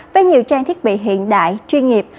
với nhiều trang thiết bị hiện đại chuyên nghiệp